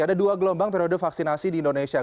ada dua gelombang periode vaksinasi di indonesia